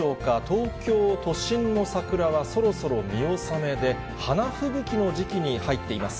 東京都心の桜はそろそろ見納めで、花吹雪の時期に入っています。